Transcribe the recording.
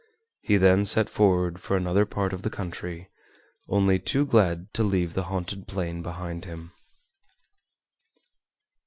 He then set forward for another part of the country, only too glad to leave the haunted plain behind him.